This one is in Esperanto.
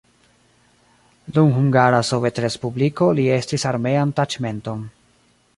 Dum Hungara Sovetrespubliko li estris armean taĉmenton.